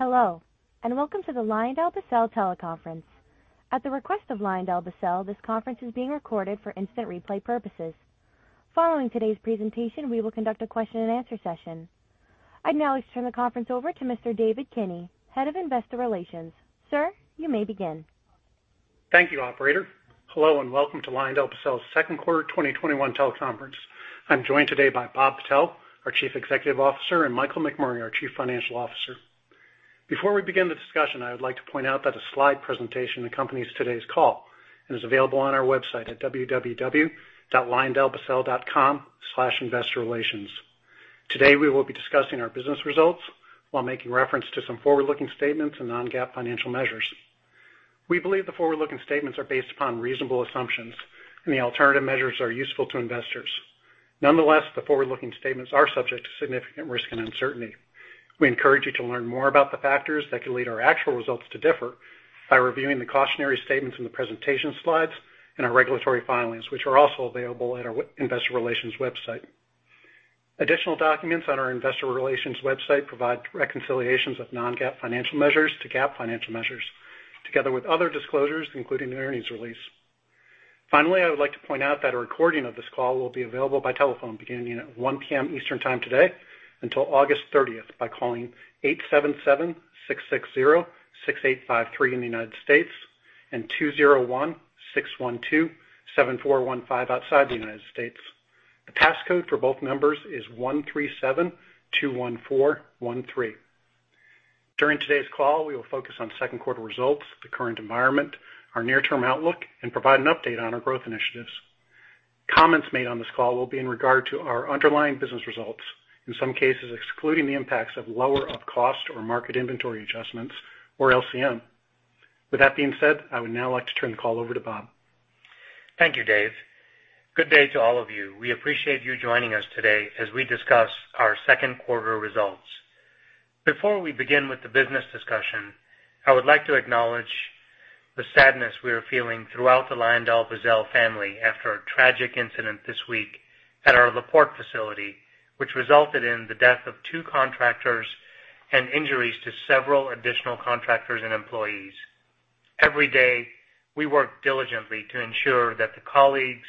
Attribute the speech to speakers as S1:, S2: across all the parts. S1: Hello, welcome to the LyondellBasell teleconference. At the request of LyondellBasell, this conference is being recorded for instant replay purposes. Following today's presentation, we will conduct a question-and-answer session. I'd now like to turn the conference over to Mr. David Kinney, Head of Investor Relations. Sir, you may begin.
S2: Thank you, operator. Hello, welcome to LyondellBasell's second quarter 2021 teleconference. I'm joined today by Bob Patel, our Chief Executive Officer, and Michael McMurray, our Chief Financial Officer. Before we begin the discussion, I would like to point out that a slide presentation accompanies today's call and is available on our website at www.lyondellbasell.com/investorrelations. Today, we will be discussing our business results while making reference to some forward-looking statements and non-GAAP financial measures. We believe the forward-looking statements are based upon reasonable assumptions, and the alternative measures are useful to investors. Nonetheless, the forward-looking statements are subject to significant risk and uncertainty. We encourage you to learn more about the factors that could lead our actual results to differ by reviewing the cautionary statements in the presentation slides and our regulatory filings, which are also available at our investor relations website. Additional documents on our investor relations website provide reconciliations of non-GAAP financial measures to GAAP financial measures, together with other disclosures, including an earnings release. Finally, I would like to point out that a recording of this call will be available by telephone beginning at 1:00 P.M. Eastern Time today until August 30th by calling eight seven seven six six zero six eight five three in the United States and two zero one six one two seven four one five outside the United States. The passcode for both numbers is one three seven two one four one three. During today's call, we will focus on second quarter results, the current environment, our near-term outlook, and provide an update on our growth initiatives. Comments made on this call will be in regard to our underlying business results, in some cases excluding the impacts of lower of cost or market inventory adjustments or LCM. With that being said, I would now like to turn the call over to Bob.
S3: Thank you, Dave. Good day to all of you. We appreciate you joining us today as we discuss our second quarter results. Before we begin with the business discussion, I would like to acknowledge the sadness we are feeling throughout the LyondellBasell family after a tragic incident this week at our La Porte facility, which resulted in the death of two contractors and injuries to several additional contractors and employees. Every day, we work diligently to ensure that the colleagues,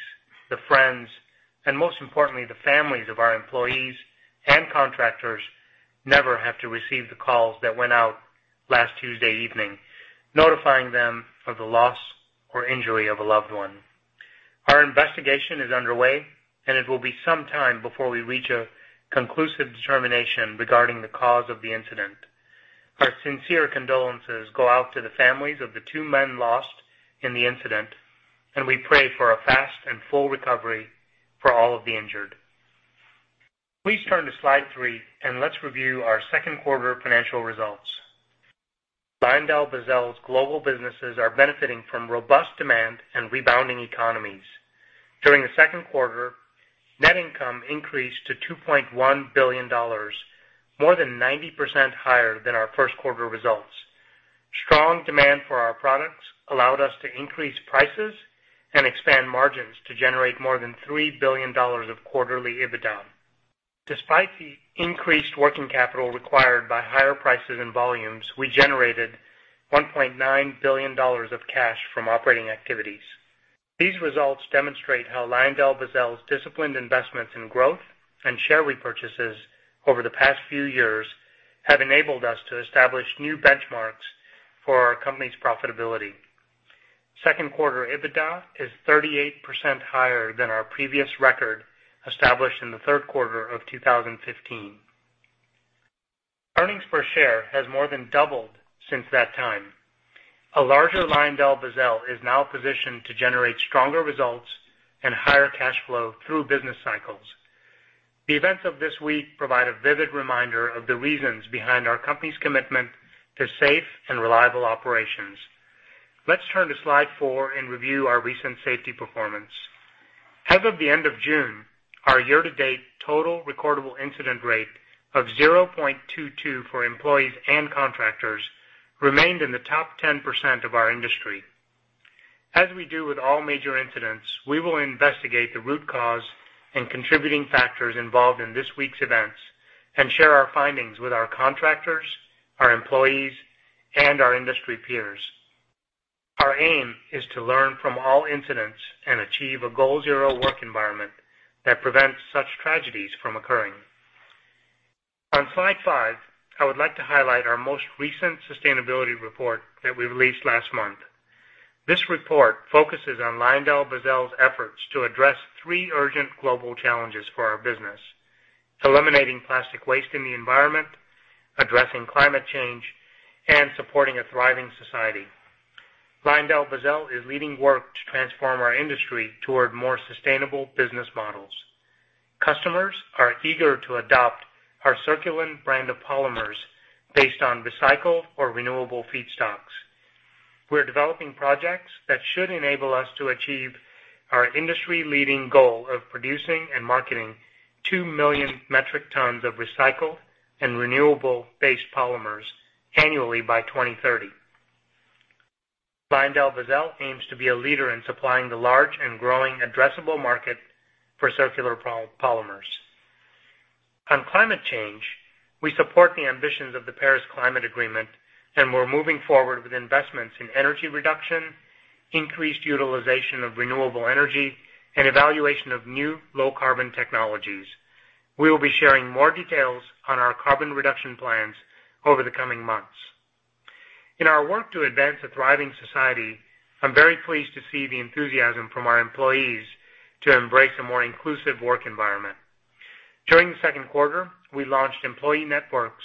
S3: the friends, and most importantly, the families of our employees and contractors never have to receive the calls that went out last Tuesday evening notifying them of the loss or injury of a loved one. Our investigation is underway, and it will be some time before we reach a conclusive determination regarding the cause of the incident. Our sincere condolences go out to the families of the two men lost in the incident, and we pray for a fast and full recovery for all of the injured. Please turn to slide three, and let's review our second quarter financial results. LyondellBasell's global businesses are benefiting from robust demand and rebounding economies. During the second quarter, net income increased to $2.1 billion, more than 90% higher than our first quarter results. Strong demand for our products allowed us to increase prices and expand margins to generate more than $3 billion of quarterly EBITDA. Despite the increased working capital required by higher prices and volumes, we generated $1.9 billion of cash from operating activities. These results demonstrate how LyondellBasell's disciplined investments in growth and share repurchases over the past few years have enabled us to establish new benchmarks for our company's profitability. Second quarter EBITDA is 38% higher than our previous record established in the third quarter of 2015. Earnings per share has more than doubled since that time. A larger LyondellBasell is now positioned to generate stronger results and higher cash flow through business cycles. The events of this week provide a vivid reminder of the reasons behind our company's commitment to safe and reliable operations. Let's turn to slide four and review our recent safety performance. As of the end of June, our year-to-date total recordable incident rate of 0.22 for employees and contractors remained in the top 10% of our industry. As we do with all major incidents, we will investigate the root cause and contributing factors involved in this week's events and share our findings with our contractors, our employees, and our industry peers. Our aim is to learn from all incidents and achieve a goal zero work environment that prevents such tragedies from occurring. On slide five, I would like to highlight our most recent sustainability report that we released last month. This report focuses on LyondellBasell's efforts to address three urgent global challenges for our business: eliminating plastic waste in the environment, addressing climate change, and supporting a thriving society. LyondellBasell is leading work to transform our industry toward more sustainable business models. Customers are eager to adopt our Circulen brand of polymers based on recycled or renewable feedstocks. We're developing projects that should enable us to achieve our industry-leading goal of producing and marketing 2 million metric tons of recycled and renewable-based polymers annually by 2030. LyondellBasell aims to be a leader in supplying the large and growing addressable market for circular polymers. On climate change, we support the ambitions of the Paris Climate Agreement, and we're moving forward with investments in energy reduction, increased utilization of renewable energy, and evaluation of new low carbon technologies. We will be sharing more details on our carbon reduction plans over the coming months. In our work to advance a thriving society, I'm very pleased to see the enthusiasm from our employees to embrace a more inclusive work environment. During the second quarter, we launched employee networks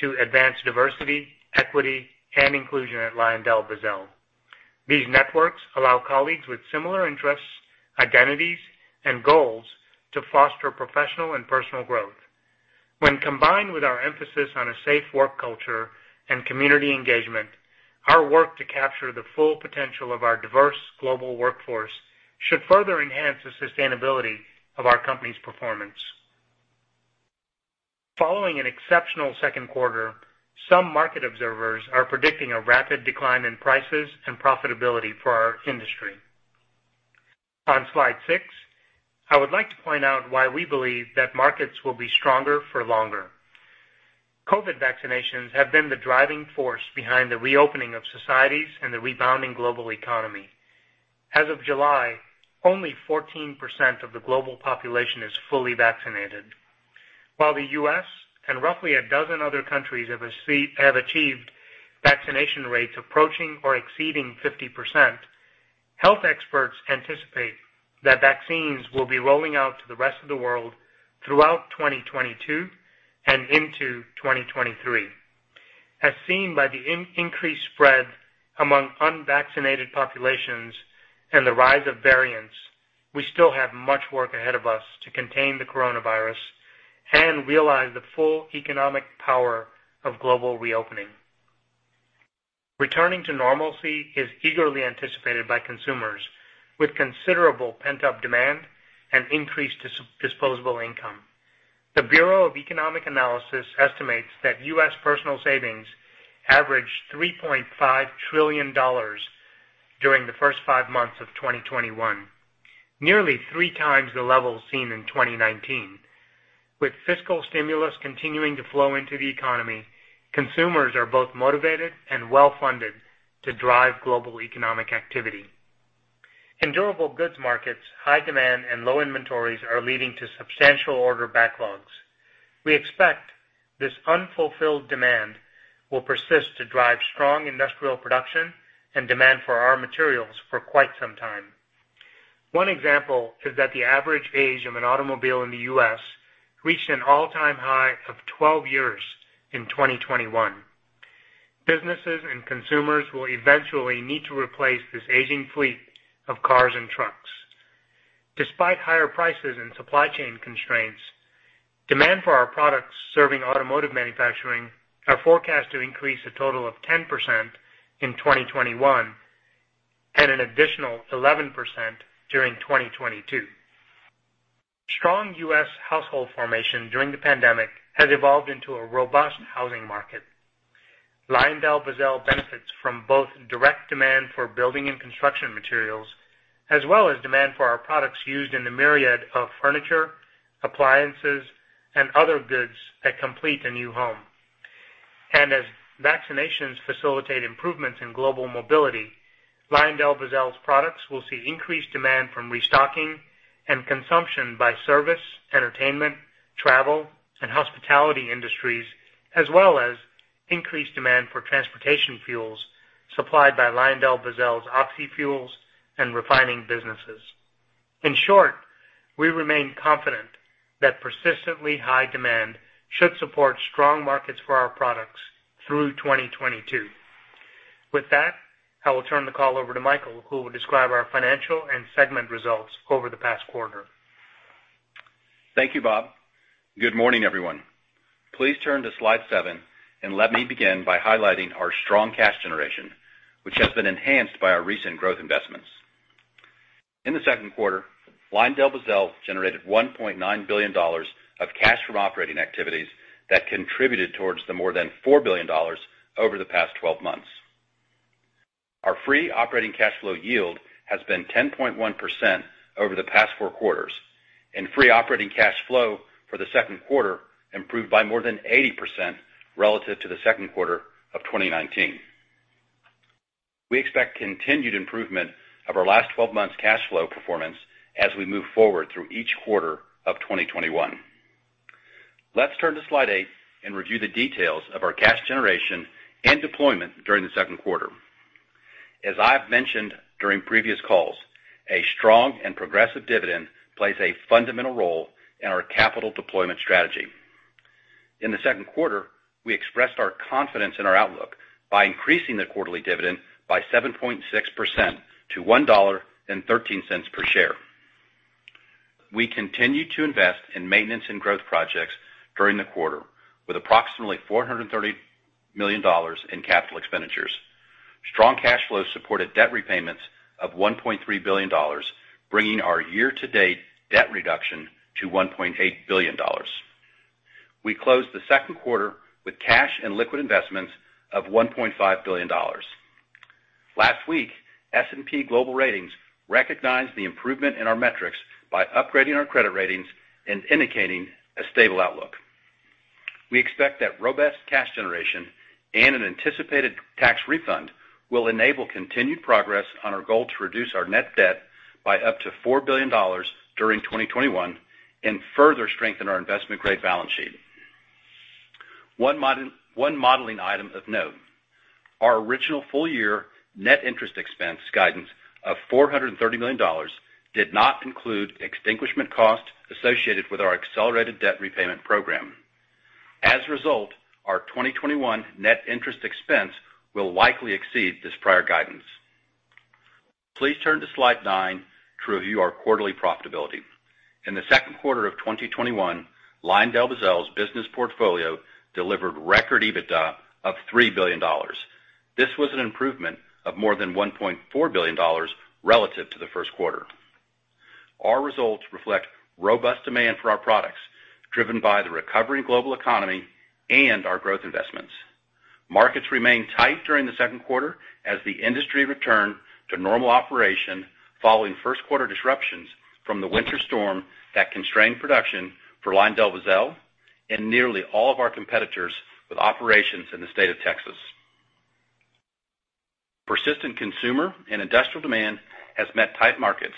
S3: to advance diversity, equity, and inclusion at LyondellBasell. These networks allow colleagues with similar interests, identities, and goals to foster professional and personal growth. When combined with our emphasis on a safe work culture and community engagement, our work to capture the full potential of our diverse global workforce should further enhance the sustainability of our company's performance. Following an exceptional second quarter, some market observers are predicting a rapid decline in prices and profitability for our industry. On slide six, I would like to point out why we believe that markets will be stronger for longer. COVID vaccinations have been the driving force behind the reopening of societies and the rebounding global economy. As of July, only 14% of the global population is fully vaccinated. While the U.S. and roughly a dozen other countries have achieved vaccination rates approaching or exceeding 50%, health experts anticipate that vaccines will be rolling out to the rest of the world throughout 2022 and into 2023. As seen by the increased spread among unvaccinated populations and the rise of variants, we still have much work ahead of us to contain the coronavirus and realize the full economic power of global reopening. Returning to normalcy is eagerly anticipated by consumers with considerable pent-up demand and increased disposable income. The Bureau of Economic Analysis estimates that U.S. personal savings averaged $3.5 trillion during the first five months of 2021, nearly three times the level seen in 2019. With fiscal stimulus continuing to flow into the economy, consumers are both motivated and well-funded to drive global economic activity. In durable goods markets, high demand and low inventories are leading to substantial order backlogs. We expect this unfulfilled demand will persist to drive strong industrial production and demand for our materials for quite some time. One example is that the average age of an automobile in the U.S. reached an all-time high of 12 years in 2021. Businesses and consumers will eventually need to replace this aging fleet of cars and trucks. Despite higher prices and supply chain constraints, demand for our products serving automotive manufacturing are forecast to increase a total of 10% in 2021 and an additional 11% during 2022. Strong U.S. household formation during the pandemic has evolved into a robust housing market. LyondellBasell benefits from both direct demand for building and construction materials, as well as demand for our products used in the myriad of furniture, appliances, and other goods that complete a new home. As vaccinations facilitate improvements in global mobility, LyondellBasell's products will see increased demand from restocking and consumption by service, entertainment, travel, and hospitality industries, as well as increased demand for transportation fuels supplied by LyondellBasell's oxyfuels and refining businesses. In short, we remain confident that persistently high demand should support strong markets for our products through 2022. With that, I will turn the call over to Michael, who will describe our financial and segment results over the past quarter.
S4: Thank you, Bob. Good morning, everyone. Please turn to slide seven, and let me begin by highlighting our strong cash generation, which has been enhanced by our recent growth investments. In the second quarter, LyondellBasell generated $1.9 billion of cash from operating activities that contributed towards the more than $4 billion over the past 12 months. Our free operating cash flow yield has been 10.1% over the past four quarters, and free operating cash flow for the second quarter improved by more than 80% relative to the second quarter of 2019. We expect continued improvement of our last 12 months cash flow performance as we move forward through each quarter of 2021. Let's turn to slide eight and review the details of our cash generation and deployment during the second quarter. As I've mentioned during previous calls, a strong and progressive dividend plays a fundamental role in our capital deployment strategy. In the second quarter, we expressed our confidence in our outlook by increasing the quarterly dividend by 7.6% to $1.13 per share. We continued to invest in maintenance and growth projects during the quarter with approximately $430 million in capital expenditures. Strong cash flow supported debt repayments of $1.3 billion, bringing our year-to-date debt reduction to $1.8 billion. We closed the second quarter with cash and liquid investments of $1.5 billion. Last week, S&P Global Ratings recognized the improvement in our metrics by upgrading our credit ratings and indicating a stable outlook. We expect that robust cash generation and an anticipated tax refund will enable continued progress on our goal to reduce our net debt by up to $4 billion during 2021 and further strengthen our investment-grade balance sheet. One modeling item of note, our original full-year net interest expense guidance of $430 million did not include extinguishment costs associated with our accelerated debt repayment program. As a result, our 2021 net interest expense will likely exceed this prior guidance. Please turn to slide nine to review our quarterly profitability. In the second quarter of 2021, LyondellBasell's business portfolio delivered record EBITDA of $3 billion. This was an improvement of more than $1.4 billion relative to the first quarter. Our results reflect robust demand for our products, driven by the recovering global economy and our growth investments. Markets remained tight during the second quarter as the industry returned to normal operation following first-quarter disruptions from the winter storm that constrained production for LyondellBasell and nearly all of our competitors with operations in the state of Texas. Persistent consumer and industrial demand has met tight markets,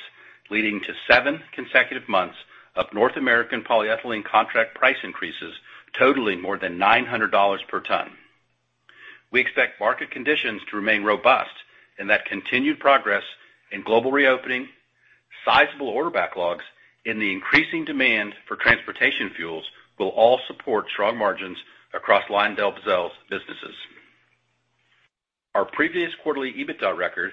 S4: leading to seven consecutive months of North American polyethylene contract price increases totaling more than $900 per ton. We expect market conditions to remain robust and that continued progress in global reopening, sizable order backlogs, and the increasing demand for transportation fuels will all support strong margins across LyondellBasell's businesses. Our previous quarterly EBITDA record,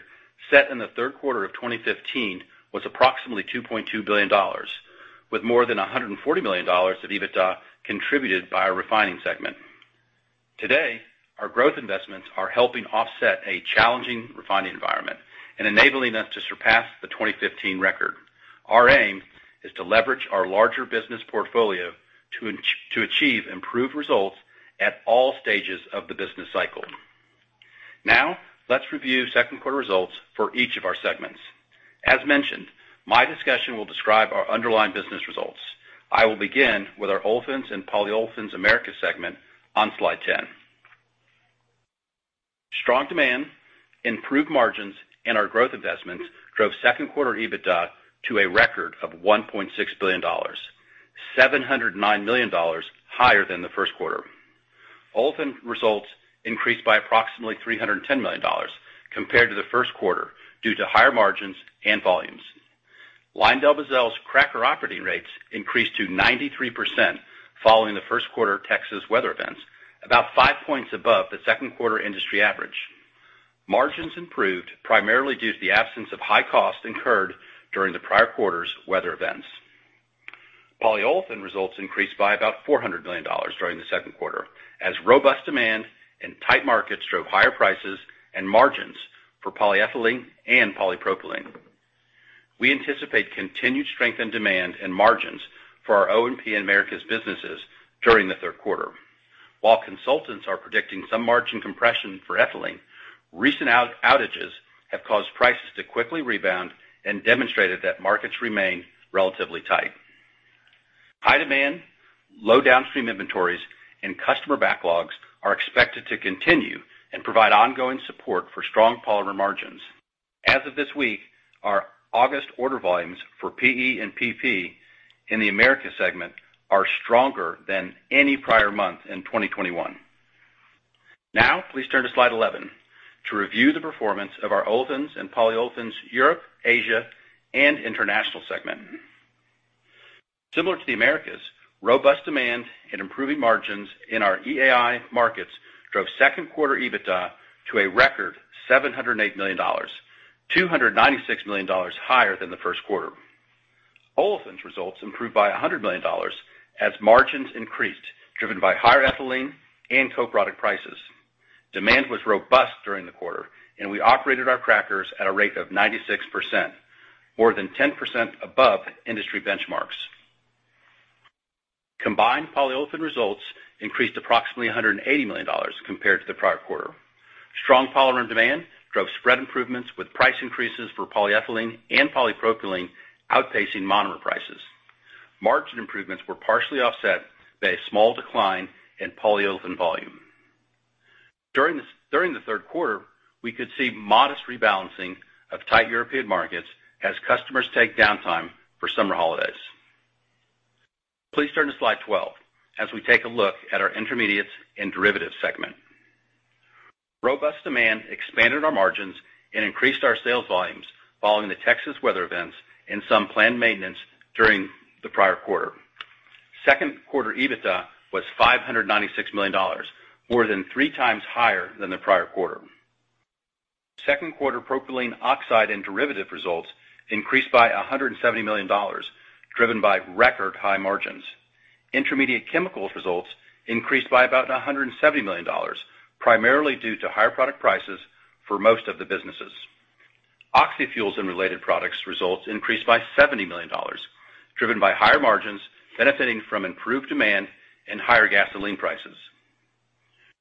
S4: set in the third quarter of 2015, was approximately $2.2 billion, with more than $140 million of EBITDA contributed by our refining segment. Today, our growth investments are helping offset a challenging refining environment and enabling us to surpass the 2015 record. Our aim is to leverage our larger business portfolio to achieve improved results at all stages of the business cycle. Now, let's review second quarter results for each of our segments. As mentioned, my discussion will describe our underlying business results. I will begin with our Olefins and Polyolefins—Americas segment on slide 10. Strong demand, improved margins, and our growth investments drove second quarter EBITDA to a record of $1.6 billion, $709 million higher than the first quarter. Olefin results increased by approximately $310 million compared to the first quarter due to higher margins and volumes. LyondellBasell's cracker operating rates increased to 93% following the first quarter Texas weather events, about 5 points above the second quarter industry average. Margins improved primarily due to the absence of high costs incurred during the prior quarter's weather events. Polyolefin results increased by about $400 million during the second quarter, as robust demand and tight markets drove higher prices and margins for polyethylene and polypropylene. We anticipate continued strength in demand and margins for our O&P-Americas businesses during the third quarter. While consultants are predicting some margin compression for ethylene, recent outages have caused prices to quickly rebound and demonstrated that markets remain relatively tight. High demand, low downstream inventories, and customer backlogs are expected to continue and provide ongoing support for strong polymer margins. As of this week, our August order volumes for PE and PP in the Americas segment are stronger than any prior month in 2021. Now, please turn to slide 11 to review the performance of our Olefins and Polyolefins—Europe, Asia, International segment. Similar to the Americas, robust demand and improving margins in our EAI markets drove second quarter EBITDA to a record $708 million, $296 million higher than the first quarter. Olefins results improved by $100 million as margins increased, driven by higher ethylene and co-product prices. Demand was robust during the quarter, and we operated our crackers at a rate of 96%, more than 10% above industry benchmarks. Combined polyolefin results increased approximately $180 million compared to the prior quarter. Strong polymer demand drove spread improvements with price increases for polyethylene and polypropylene outpacing monomer prices. Margin improvements were partially offset by a small decline in polyolefin volume. During the third quarter, we could see modest rebalancing of tight European markets as customers take downtime for summer holidays. Please turn to slide 12 as we take a look at our Intermediates and Derivatives segment. Robust demand expanded our margins and increased our sales volumes following the Texas weather events and some planned maintenance during the prior quarter. Second quarter EBITDA was $596 million, more than three times higher than the prior quarter. Second quarter propylene oxide and derivative results increased by $170 million, driven by record high margins. Intermediate Chemicals results increased by about $170 million, primarily due to higher product prices for most of the businesses. Oxy fuels and related products results increased by $70 million, driven by higher margins benefiting from improved demand and higher gasoline prices.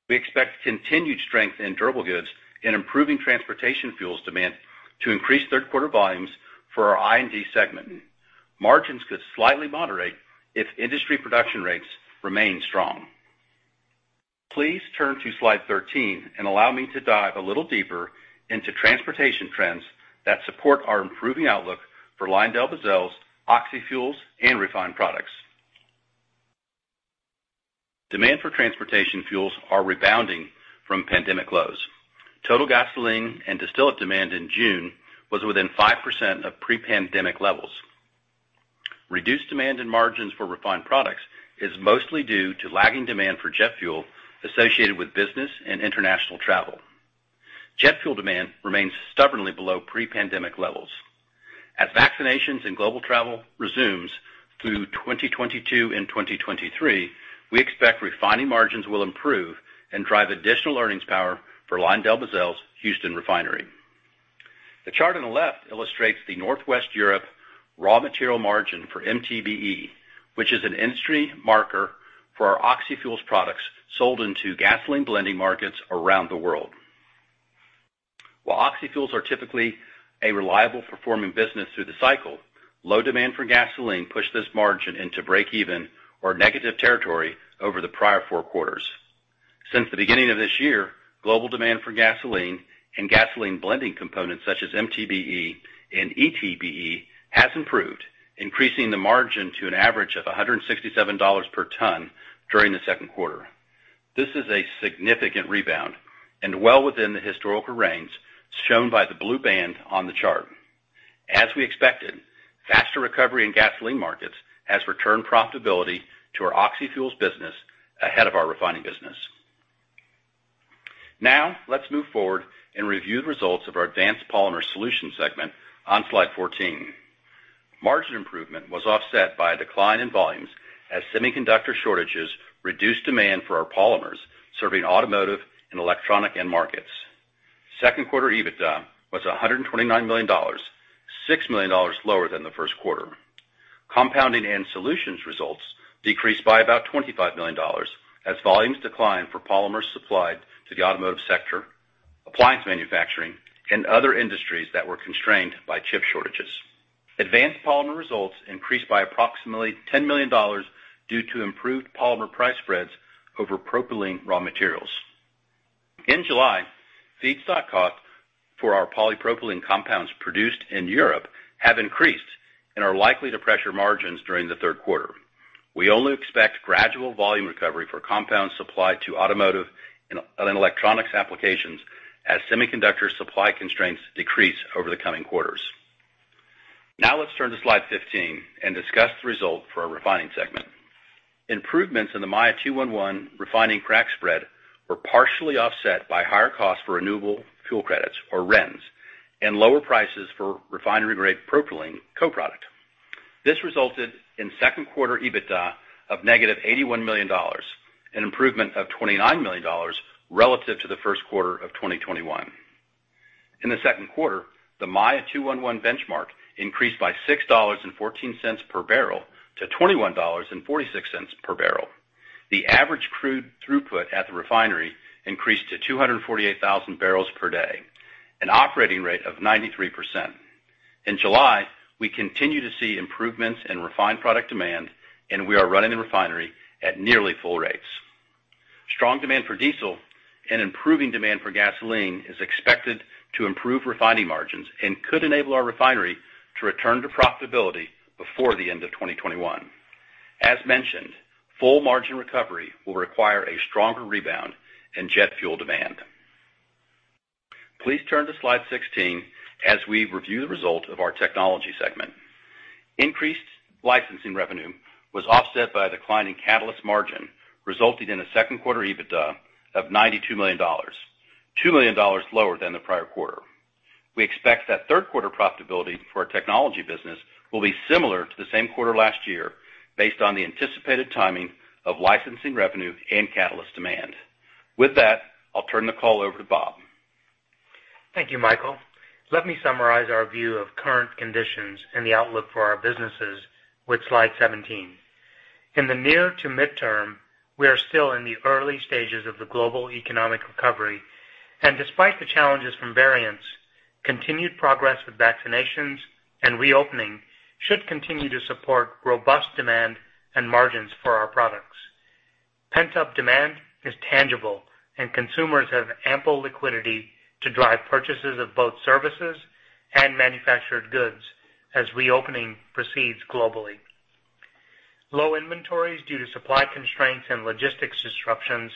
S4: We expect continued strength in durable goods and improving transportation fuels demand to increase third quarter volumes for our I&D segment. Margins could slightly moderate if industry production rates remain strong. Please turn to slide 13 and allow me to dive a little deeper into transportation trends that support our improving outlook for LyondellBasell's oxyfuels and refined products. Demand for transportation fuels are rebounding from pandemic lows. Total gasoline and distillate demand in June was within 5% of pre-pandemic levels. Reduced demand and margins for refined products is mostly due to lagging demand for jet fuel associated with business and international travel. Jet fuel demand remains stubbornly below pre-pandemic levels. As vaccinations and global travel resumes through 2022 and 2023, we expect refining margins will improve and drive additional earnings power for LyondellBasell's Houston refinery. The chart on the left illustrates the Northwest Europe raw material margin for MTBE, which is an industry marker for our oxyfuels products sold into gasoline blending markets around the world. While oxyfuels are typically a reliable performing business through the cycle, low demand for gasoline pushed this margin into break even or negative territory over the prior four quarters. Since the beginning of this year, global demand for gasoline and gasoline blending components such as MTBE and ETBE has improved, increasing the margin to an average of $167 per ton during the second quarter. This is a significant rebound and well within the historical range shown by the blue band on the chart. As we expected, faster recovery in gasoline markets has returned profitability to our oxyfuels business ahead of our refining business. Now let's move forward and review the results of our Advanced Polymer Solutions segment on slide 14. Margin improvement was offset by a decline in volumes as semiconductor shortages reduced demand for our polymers serving automotive and electronic end markets. Second quarter EBITDA was $129 million, $6 million lower than the first quarter. Compounding and solutions results decreased by about $25 million as volumes declined for polymers supplied to the automotive sector, appliance manufacturing, and other industries that were constrained by chip shortages. Advanced polymer results increased by approximately $10 million due to improved polymer price spreads over propylene raw materials. In July, feedstock costs for our polypropylene compounds produced in Europe have increased and are likely to pressure margins during the third quarter. We only expect gradual volume recovery for compounds supplied to automotive and electronics applications as semiconductor supply constraints decrease over the coming quarters. Now let's turn to slide 15 and discuss the result for our refining segment. Improvements in the Maya 2-1-1 refining crack spread were partially offset by higher costs for renewable fuel credits or RINs and lower prices for refinery-grade propylene co-product. This resulted in second quarter EBITDA of -$81 million, an improvement of $29 million relative to the first quarter of 2021. In the second quarter, the Maya 2-1-1 benchmark increased by $6.14 per barrel to $21.46 per barrel. The average crude throughput at the refinery increased to 248,000 barrels per day, an operating rate of 93%. In July, we continue to see improvements in refined product demand, we are running the refinery at nearly full rates. Strong demand for diesel and improving demand for gasoline is expected to improve refining margins and could enable our refinery to return to profitability before the end of 2021. As mentioned, full margin recovery will require a stronger rebound in jet fuel demand. Please turn to slide 16 as we review the result of our technology segment. Increased licensing revenue was offset by a decline in catalyst margin, resulting in a second quarter EBITDA of $92 million, $2 million lower than the prior quarter. We expect that third quarter profitability for our technology business will be similar to the same quarter last year based on the anticipated timing of licensing revenue and catalyst demand. With that, I'll turn the call over to Bob.
S3: Thank you, Michael. Let me summarize our view of current conditions and the outlook for our businesses with slide 17. In the near to midterm, we are still in the early stages of the global economic recovery, and despite the challenges from variants, continued progress with vaccinations and reopening should continue to support robust demand and margins for our products. Pent-up demand is tangible, and consumers have ample liquidity to drive purchases of both services and manufactured goods as reopening proceeds globally. Low inventories due to supply constraints and logistics disruptions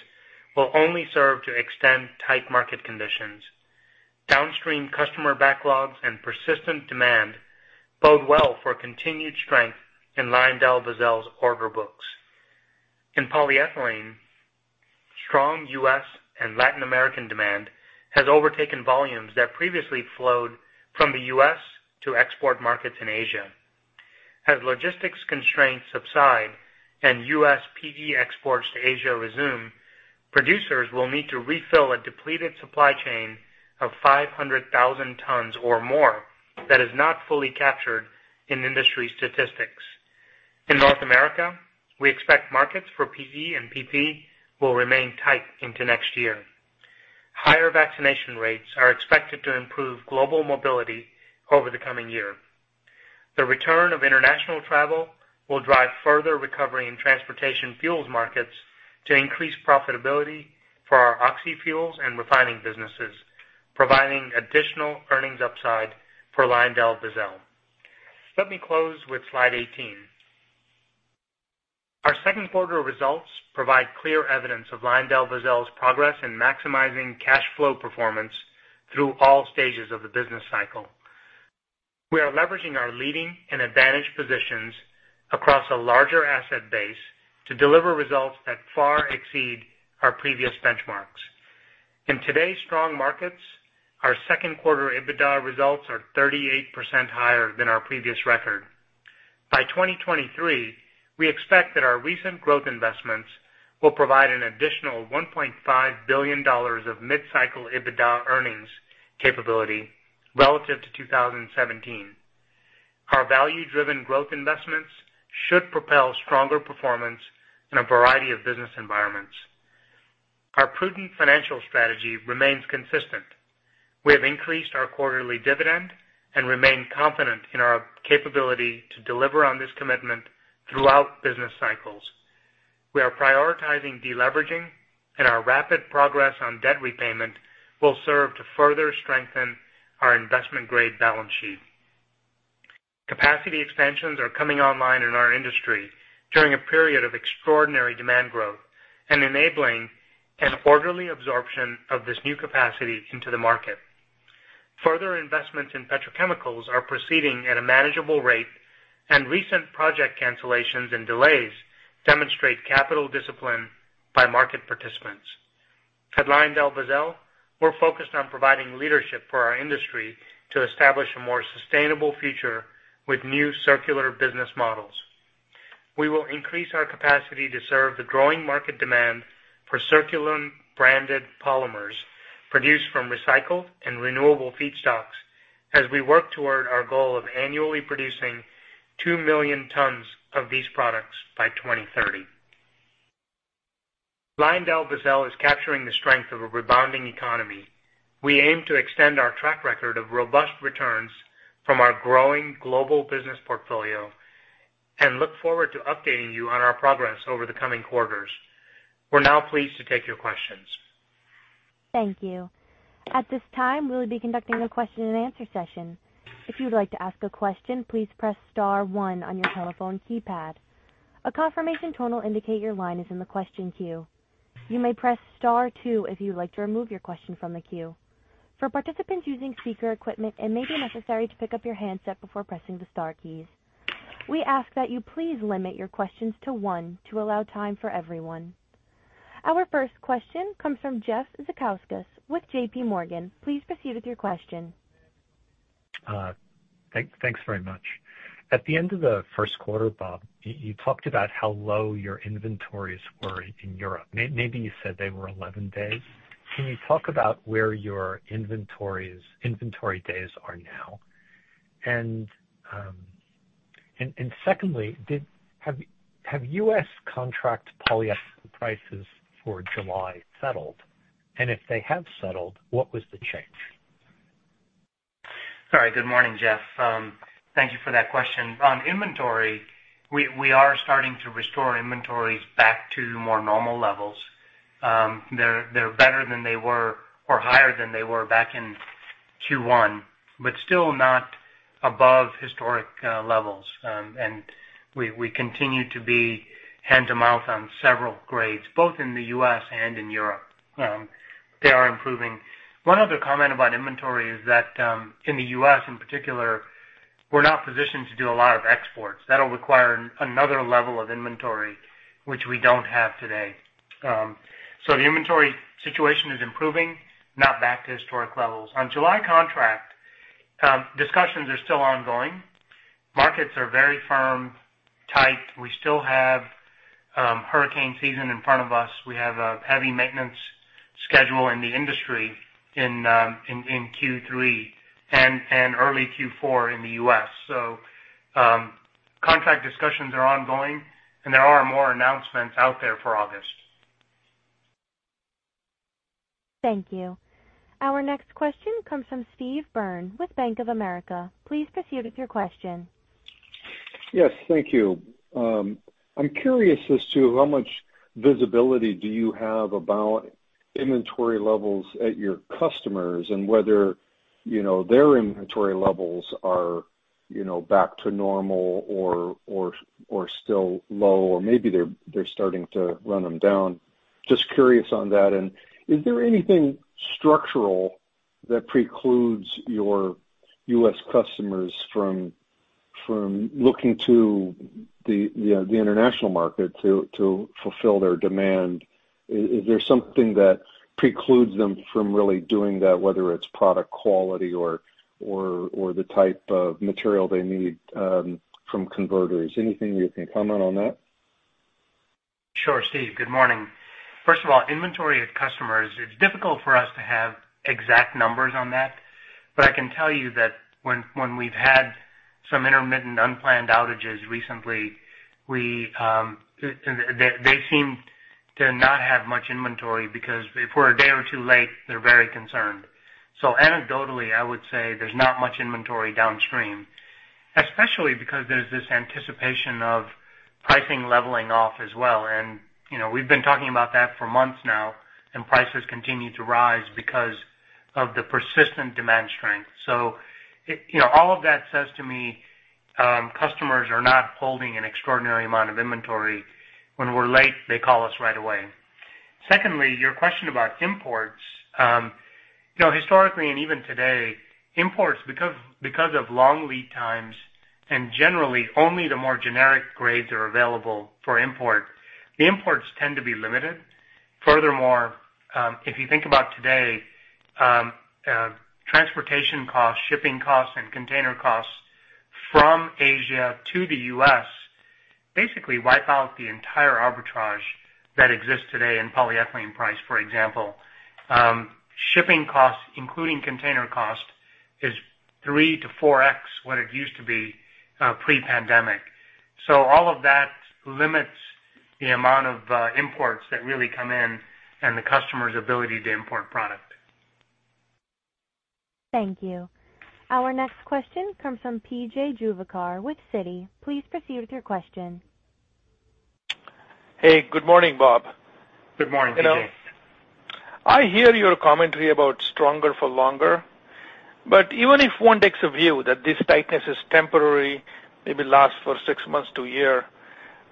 S3: will only serve to extend tight market conditions. Downstream customer backlogs and persistent demand bode well for continued strength in LyondellBasell's order books. In polyethylene, strong U.S. and Latin American demand has overtaken volumes that previously flowed from the U.S. to export markets in Asia. As logistics constraints subside and U.S. PE exports to Asia resume, producers will need to refill a depleted supply chain of 500,000 tons or more that is not fully captured in industry statistics. In North America, we expect markets for PE and PP will remain tight into next year. Higher vaccination rates are expected to improve global mobility over the coming year. The return of international travel will drive further recovery in transportation fuels markets to increase profitability for our oxyfuels and refining businesses, providing additional earnings upside for LyondellBasell. Let me close with slide 18. Our second quarter results provide clear evidence of LyondellBasell's progress in maximizing cash flow performance through all stages of the business cycle. We are leveraging our leading and advantaged positions across a larger asset base to deliver results that far exceed our previous benchmarks. In today's strong markets, our second quarter EBITDA results are 38% higher than our previous record. By 2023, we expect that our recent growth investments will provide an additional $1.5 billion of mid-cycle EBITDA earnings capability relative to 2017. Our value-driven growth investments should propel stronger performance in a variety of business environments. Our prudent financial strategy remains consistent. We have increased our quarterly dividend and remain confident in our capability to deliver on this commitment throughout business cycles. We are prioritizing deleveraging, and our rapid progress on debt repayment will serve to further strengthen our investment-grade balance sheet. Capacity expansions are coming online in our industry during a period of extraordinary demand growth and enabling an orderly absorption of this new capacity into the market. Further investments in petrochemicals are proceeding at a manageable rate, and recent project cancellations and delays demonstrate capital discipline by market participants. At LyondellBasell, we're focused on providing leadership for our industry to establish a more sustainable future with new circular business models. We will increase our capacity to serve the growing market demand for Circulen-branded polymers produced from recycled and renewable feedstocks as we work toward our goal of annually producing 2 million tons of these products by 2030. LyondellBasell is capturing the strength of a rebounding economy. We aim to extend our track record of robust returns from our growing global business portfolio and look forward to updating you on our progress over the coming quarters. We're now pleased to take your questions.
S1: Thank you. At this time, we'll be conducting a question and answer session. We ask that you please limit your questions to one to allow time for everyone. Our first question comes from Jeff Zekauskas with JPMorgan. Please proceed with your question.
S5: Thanks very much. At the end of the first quarter, Bob, you talked about how low your inventories were in Europe. Maybe you said they were 11 days. Can you talk about where your inventory days are now? Secondly, have U.S. contract polyethylene prices for July settled? If they have settled, what was the change?
S3: Sorry. Good morning, Jeff. Thank you for that question. On inventory, we are starting to restore inventories back to more normal levels. They're better than they were or higher than they were back in Q1, still not above historic levels. We continue to be hand to mouth on several grades, both in the U.S. and in Europe. They are improving. One other comment about inventory is that in the U.S. in particular, we're not positioned to do a lot of exports. That'll require another level of inventory, which we don't have today. The inventory situation is improving, not back to historic levels. On July contract, discussions are still ongoing. Markets are very firm, tight. We still have hurricane season in front of us. We have a heavy maintenance schedule in the industry in Q3 and early Q4 in the U.S. Contract discussions are ongoing, and there are more announcements out there for August.
S1: Thank you. Our next question comes from Steve Byrne with Bank of America. Please proceed with your question.
S6: Yes. Thank you. I'm curious as to how much visibility do you have about inventory levels at your customers and whether their inventory levels are back to normal or still low, or maybe they're starting to run them down. Just curious on that. Is there anything structural that precludes your U.S. customers from looking to the international market to fulfill their demand? Is there something that precludes them from really doing that, whether it's product quality or the type of material they need from converters? Anything you can comment on that?
S3: Sure, Steve. Good morning. First of all, inventory at customers, it's difficult for us to have exact numbers on that. I can tell you that when we've had some intermittent unplanned outages recently, they seem to not have much inventory because if we're a day or two late, they're very concerned. Anecdotally, I would say there's not much inventory downstream, especially because there's this anticipation of pricing leveling off as well. We've been talking about that for months now, and prices continue to rise because of the persistent demand strength. All of that says to me, customers are not holding an extraordinary amount of inventory. When we're late, they call us right away. Secondly, your question about imports. Historically, and even today, imports, because of long lead times, and generally only the more generic grades are available for import, the imports tend to be limited. Furthermore, if you think about today, transportation costs, shipping costs, and container costs from Asia to the U.S. basically wipe out the entire arbitrage that exists today in polyethylene price, for example. Shipping costs, including container cost, is 3x-4x what it used to be pre-pandemic. All of that limits the amount of imports that really come in and the customer's ability to import product.
S1: Thank you. Our next question comes from P.J. Juvekar with Citi. Please proceed with your question.
S7: Hey, good morning, Bob.
S3: Good morning, P.J.
S7: I hear your commentary about stronger for longer. Even if one takes a view that this tightness is temporary, maybe last for six months to a year,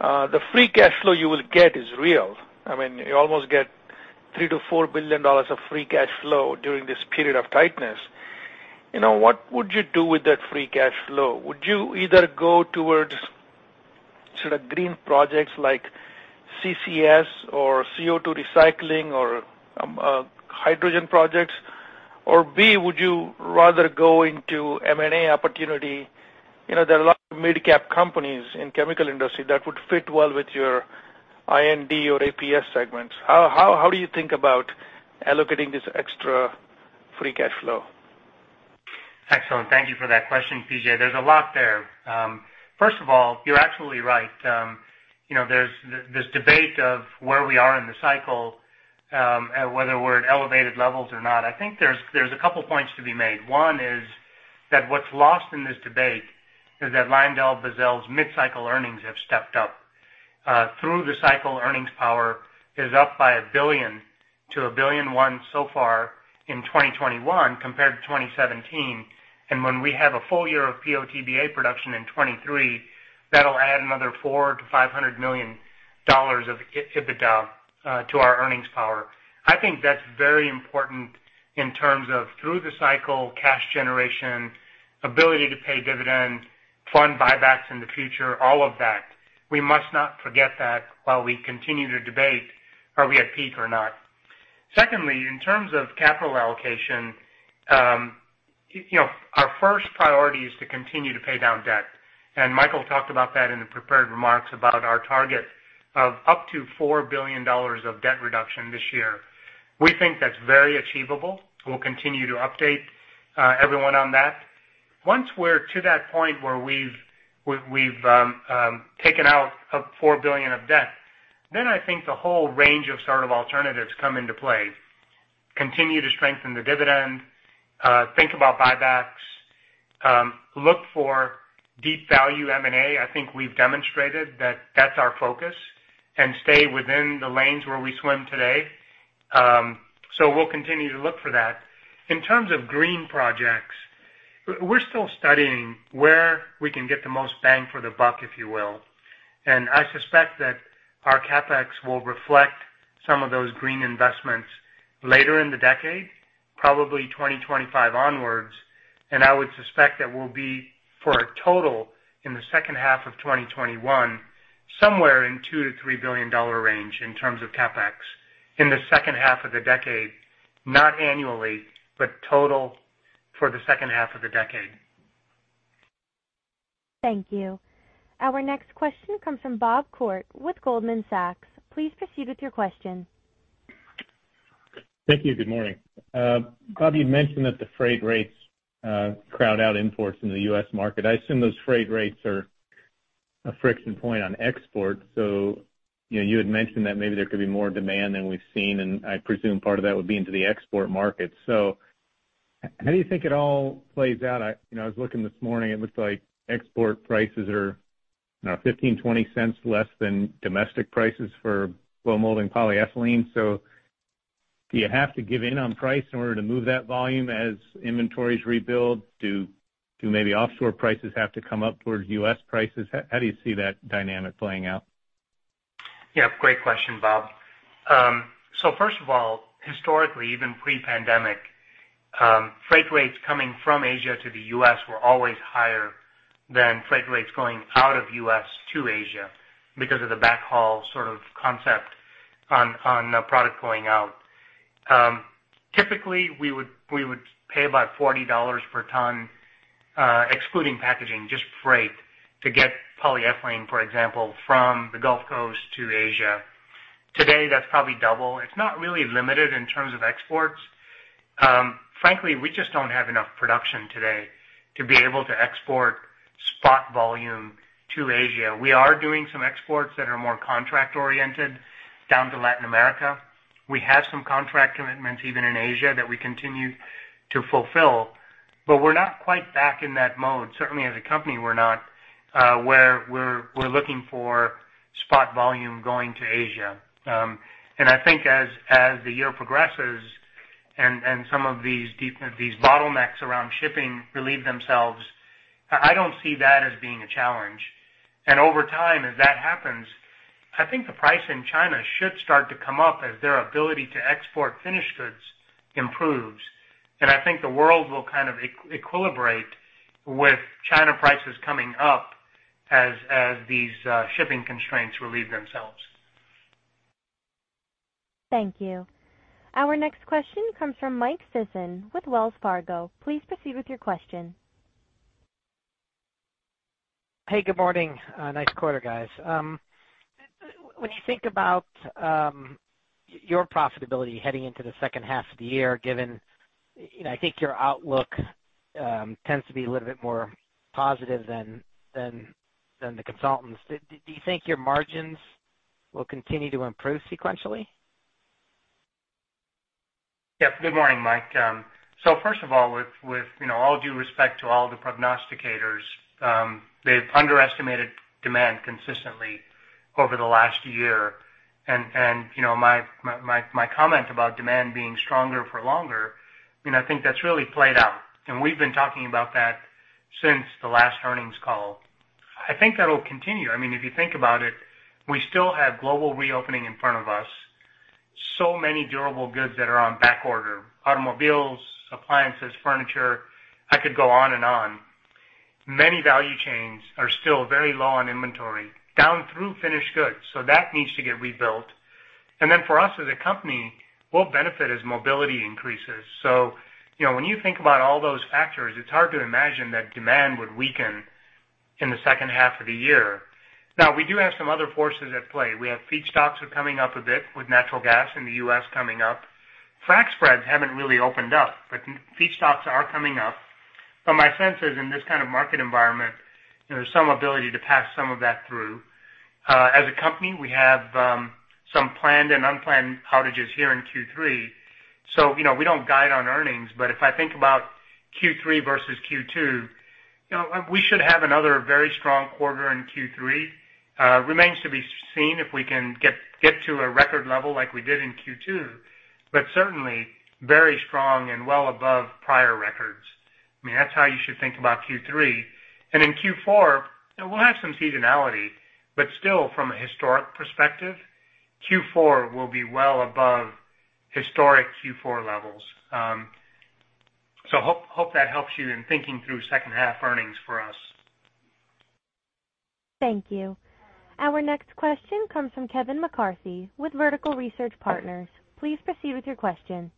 S7: the free cash flow you will get is real. I mean, you almost get $3 billion-$4 billion of free cash flow during this period of tightness. What would you do with that free cash flow? Would you either go towards sort of green projects like CCS or CO2 recycling or hydrogen projects? B, would you rather go into M&A opportunity? There are a lot of mid-cap companies in chemical industry that would fit well with your I$D or APS segments. How do you think about allocating this extra free cash flow?
S3: Excellent. Thank you for that question, P.J.. There's a lot there. First of all, you're absolutely right. There's this debate of where we are in the cycle, whether we're at elevated levels or not. I think there's a couple points to be made. One is that what's lost in this debate is that LyondellBasell's mid-cycle earnings have stepped up. Through the cycle, earnings power is up by $1 billion to $1.1 billion so far in 2021 compared to 2017. When we have a full year of PO/TBA production in 2023, that'll add another $400 million-$500 million of EBITDA to our earnings power. I think that's very important in terms of through the cycle cash generation, ability to pay dividends, fund buybacks in the future, all of that. We must not forget that while we continue to debate, are we at peak or not? In terms of capital allocation, our first priority is to continue to pay down debt. Michael talked about that in the prepared remarks about our target of up to $4 billion of debt reduction this year. We think that's very achievable. We'll continue to update everyone on that. Once we're to that point where we've taken out $4 billion of debt, I think the whole range of sort of alternatives come into play. Continue to strengthen the dividend, think about buybacks, look for deep value M&A. I think we've demonstrated that that's our focus, stay within the lanes where we swim today. We'll continue to look for that. In terms of green projects, we're still studying where we can get the most bang for the buck, if you will. I suspect that our CapEx will reflect some of those green investments later in the decade, probably 2025 onwards. I would suspect that we'll be, for a total in the second half of 2021, somewhere in $2 billion-$3 billion range in terms of CapEx in the second half of the decade, not annually, but total for the second half of the decade.
S1: Thank you. Our next question comes from Bob Koort with Goldman Sachs. Please proceed with your question.
S8: Thank you. Good morning. Bob, you mentioned that the freight rates crowd out imports in the U.S. market. I assume those freight rates are a friction point on exports. You had mentioned that maybe there could be more demand than we've seen, and I presume part of that would be into the export market. How do you think it all plays out? I was looking this morning, it looks like export prices are $0.15, $0.20 less than domestic prices for blow molding polyethylene. Do you have to give in on price in order to move that volume as inventories rebuild? Do maybe offshore prices have to come up towards U.S. prices? How do you see that dynamic playing out?
S3: Yeah, great question, Bob. First of all, historically, even pre-pandemic, freight rates coming from Asia to the U.S. were always higher than freight rates going out of U.S. to Asia because of the backhaul sort of concept on a product going out. Typically, we would pay about $40 per ton, excluding packaging, just freight, to get polyethylene, for example, from the Gulf Coast to Asia. Today, that's probably double. It's not really limited in terms of exports. Frankly, we just don't have enough production today to be able to export spot volume to Asia. We are doing some exports that are more contract-oriented down to Latin America. We have some contract commitments even in Asia that we continue to fulfill. We're not quite back in that mode. Certainly, as a company, we're not, where we're looking for spot volume going to Asia. I think as the year progresses and some of these bottlenecks around shipping relieve themselves, I don't see that as being a challenge. Over time, as that happens, I think the price in China should start to come up as their ability to export finished goods improves. I think the world will kind of equilibrate with China prices coming up as these shipping constraints relieve themselves.
S1: Thank you. Our next question comes from Michael Sison with Wells Fargo. Please proceed with your question.
S9: Hey, good morning. Nice quarter, guys. When you think about your profitability heading into the second half of the year, given I think your outlook tends to be a little bit more positive than the consultants. Do you think your margins will continue to improve sequentially?
S3: Yep. Good morning, Michael. First of all, with all due respect to all the prognosticators, they've underestimated demand consistently over the last year. My comment about demand being stronger for longer, I think that's really played out, and we've been talking about that since the last earnings call. I think that'll continue. If you think about it, we still have global reopening in front of us. Many durable goods that are on back order. Automobiles, appliances, furniture, I could go on and on. Many value chains are still very low on inventory, down through finished goods. That needs to get rebuilt. Then for us as a company, we'll benefit as mobility increases. When you think about all those factors, it's hard to imagine that demand would weaken in the second half of the year. Now, we do have some other forces at play. We have feedstocks are coming up a bit with natural gas in the U.S. coming up. Frac spreads haven't really opened up, but feedstocks are coming up. My sense is, in this kind of market environment, there's some ability to pass some of that through. As a company, we have some planned and unplanned outages here in Q3. We don't guide on earnings, but if I think about Q3 versus Q2, we should have another very strong quarter in Q3. Remains to be seen if we can get to a record level like we did in Q2, but certainly very strong and well above prior records. That's how you should think about Q3. In Q4, we'll have some seasonality, but still, from a historic perspective, Q4 will be well above historic Q4 levels. Hope that helps you in thinking through second half earnings for us.
S1: Thank you. Our next question comes from Kevin McCarthy with Vertical Research Partners. Please proceed with your question.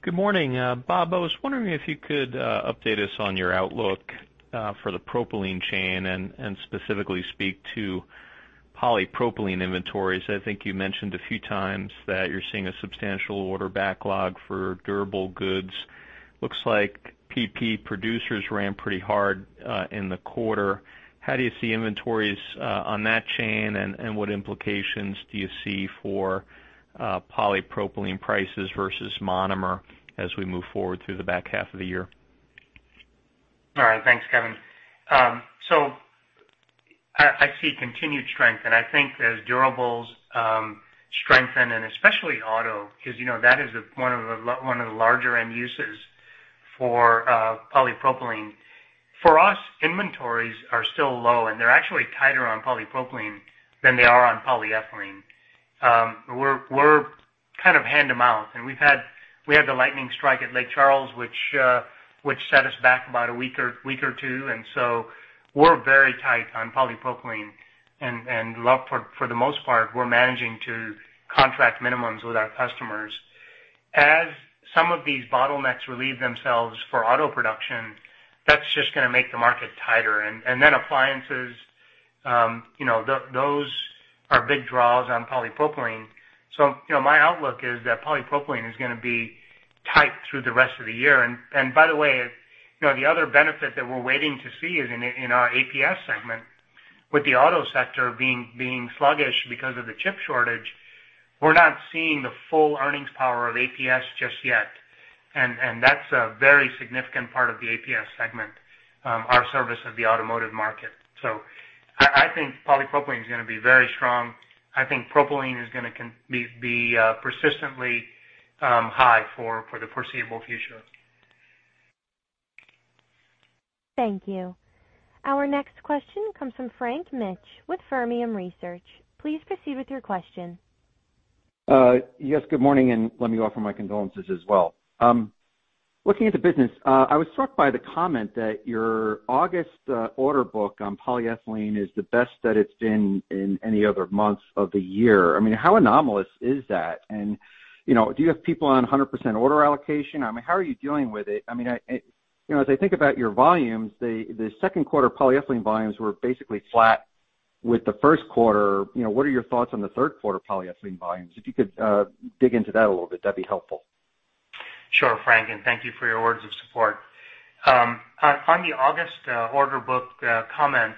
S10: Good morning, Bob. I was wondering if you could update us on your outlook for the propylene chain and specifically speak to polypropylene inventories. I think you mentioned a few times that you're seeing a substantial order backlog for durable goods. Looks like PP producers ran pretty hard in the quarter. How do you see inventories on that chain, and what implications do you see for polypropylene prices versus monomer as we move forward through the back half of the year?
S3: All right. Thanks, Kevin. I see continued strength, and I think as durables strengthen, and especially auto, because you know that is one of the larger end uses for polypropylene. For us, inventories are still low, and they're actually tighter on polypropylene than they are on polyethylene. We're kind of hand to mouth, and we had the lightning strike at Lake Charles, which set us back about a week or two. We're very tight on polypropylene, and for the most part, we're managing to contract minimums with our customers. As some of these bottlenecks relieve themselves for auto production, that's just going to make the market tighter. Appliances, those are big draws on polypropylene. My outlook is that polypropylene is going to be tight through the rest of the year. By the way, the other benefit that we're waiting to see is in our APS segment. With the auto sector being sluggish because of the chip shortage, we're not seeing the full earnings power of APS just yet. That's a very significant part of the APS segment, our service of the automotive market. I think polypropylene is going to be very strong. I think propylene is going to be persistently high for the foreseeable future.
S1: Thank you. Our next question comes from Frank Mitsch with Fermium Research. Please proceed with your question.
S11: Yes, good morning. Let me offer my condolences as well. Looking at the business, I was struck by the comment that your August order book on polyethylene is the best that it's been in any other month of the year. How anomalous is that? Do you have people on 100% order allocation? How are you dealing with it? As I think about your volumes, the second quarter polyethylene volumes were basically flat with the first quarter. What are your thoughts on the third quarter polyethylene volumes? If you could dig into that a little bit, that'd be helpful.
S3: Sure, Frank, and thank you for your words of support. On the August order book comment,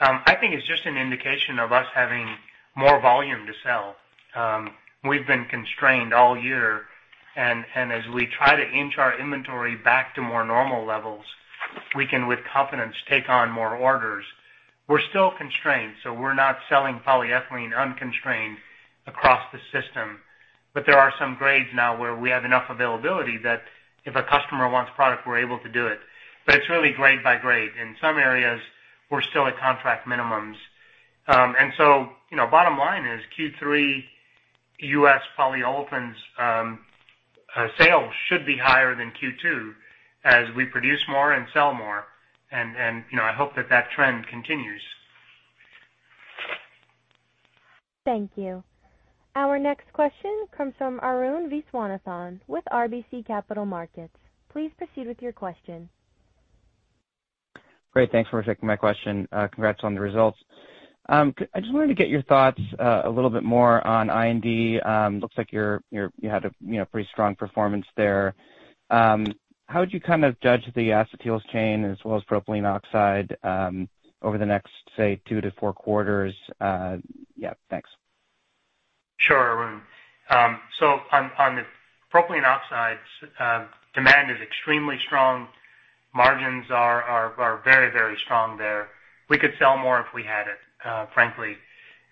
S3: I think it's just an indication of us having more volume to sell. We've been constrained all year, and as we try to inch our inventory back to more normal levels, we can, with confidence, take on more orders. We're still constrained, so we're not selling polyethylene unconstrained across the system. There are some grades now where we have enough availability that if a customer wants product, we're able to do it. It's really grade by grade. In some areas, we're still at contract minimums. Bottom line is Q3 U.S. polyolefins sales should be higher than Q2 as we produce more and sell more. I hope that that trend continues.
S1: Thank you. Our next question comes from Arun Viswanathan with RBC Capital Markets. Please proceed with your question.
S12: Great. Thanks for taking my question. Congrats on the results. I just wanted to get your thoughts a little bit more on I&D. Looks like you had a pretty strong performance there. How would you judge the acetyls chain as well as propylene oxide over the next, say, two quarters-four quarters? Yeah, thanks.
S3: Sure, Arun. On the propylene oxide, demand is extremely strong. Margins are very strong there. We could sell more if we had it, frankly.